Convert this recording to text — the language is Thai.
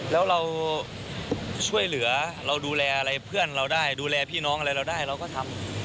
แล้วเราช่วยเหลือเราดูแลอะไรเพื่อนเราได้ดูแลพี่น้องอะไรเราได้เราก็ทำ